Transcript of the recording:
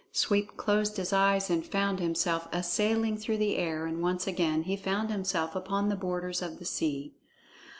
Sweep closed his eyes and found himself a sailing through the air, and once again he found himself upon the borders of the sea.